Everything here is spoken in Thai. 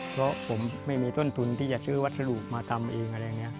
เพราะผมไม่มีต้นทุนที่จะซื้อวัตถุมาทำเอง